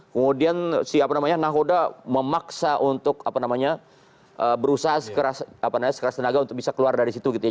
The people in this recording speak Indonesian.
kemudian si apa namanya nahoda memaksa untuk berusaha sekeras tenaga untuk bisa keluar dari situ gitu ya